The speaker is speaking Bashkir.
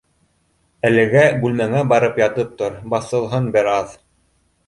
— Әлегә бүлмәңә барып ятып тор, баҫылһын бер аҙ.